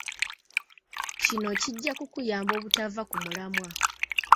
Kino kijja kukuyamba obutava ku mulamwa.